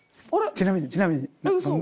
ちなみに。